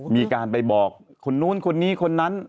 มีการไปบอกคนนู้นคนนี้คนนั้น